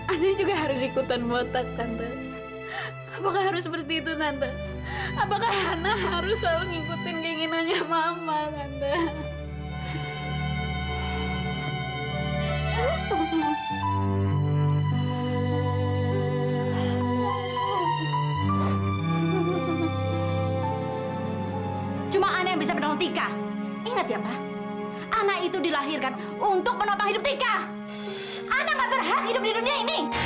ana gak berhak hidup di dunia ini